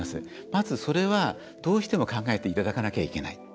まず、それは、どうしても考えていただかなきゃいけない。